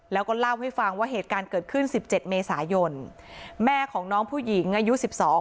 แล้วก็เล่าให้ฟังว่าเหตุการณ์เกิดขึ้นสิบเจ็ดเมษายนแม่ของน้องผู้หญิงอายุสิบสอง